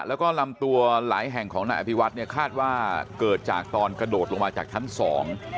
แล้วก็ลำตัวหลายแห่งของนายอภิวัตเนี่ยคาดว่าเกิดจากตอนกระโดดลงมาจากชั้นสอง